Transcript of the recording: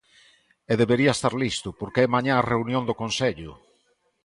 E debería estar listo, porque é mañá a reunión do Consello.